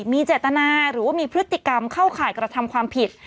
มีเจตนาหรือว่ามีพฤติกรรมเข้าข่ายกระทำความผิด